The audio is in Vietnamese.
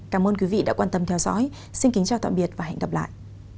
cảm ơn quý vị đã quan tâm theo dõi xin kính chào tạm biệt và hẹn gặp lại